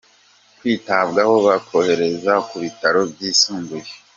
kwitabwaho bakoherezwa ku bitaro byisumbuye.